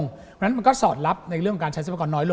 เพราะฉะนั้นมันก็สอดรับในเรื่องของการใช้ทรัพกรน้อยลง